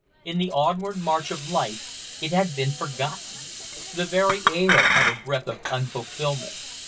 In the onward march of life it had been forgotten. The very air had a breath of unfulfilment.